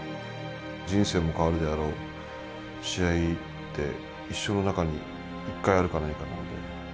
人生も変わるであろう試合って一生の中に一回あるかないかなんで。